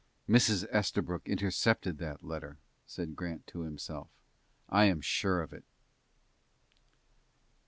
"Mrs. Estabrook intercepted that letter," said Grant to himself. "I am sure of it."